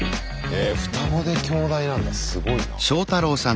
へぇ双子で京大なんだすごいな。